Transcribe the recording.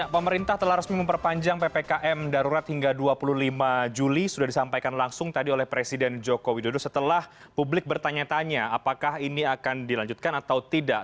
pemerintah telah resmi memperpanjang ppkm darurat hingga dua puluh lima juli sudah disampaikan langsung tadi oleh presiden joko widodo setelah publik bertanya tanya apakah ini akan dilanjutkan atau tidak